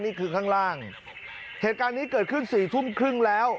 ข้างล่างเหตุการณ์นี้เกิดขึ้นสี่ทุ่มครึ่งแล้ว